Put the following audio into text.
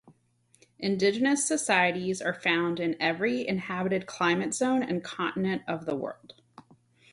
Indigenous societies are found in every inhabited climate zone and continent of the world.